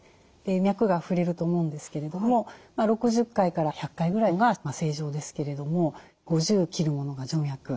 脈がふれると思うんですけれども６０回から１００回ぐらいが正常ですけれども５０を切るものが徐脈。